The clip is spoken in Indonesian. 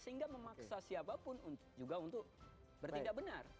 sehingga memaksa siapapun juga untuk bertindak benar